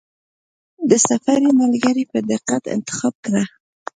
د سفر ملګری په دقت انتخاب کړه.